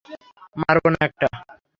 মারবো না একটা!